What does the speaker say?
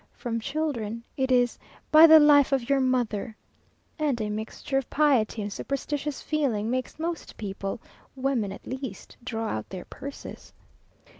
From children it is "By the life of your mother!" And a mixture of piety and superstitious feeling makes most people, women at least, draw out their purses.